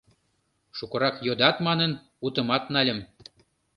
Шукырак йодат манын, утымат нальым.